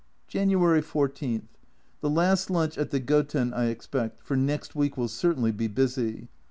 January 14. The last lunch at the Goten, I expect, for next week will certainly be busy.